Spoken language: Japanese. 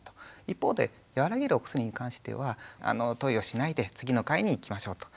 一方で和らげるお薬に関しては投与しないで次の回にいきましょうと。